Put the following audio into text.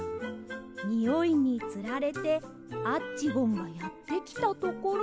においにつられてアッチゴンがやってきたところで。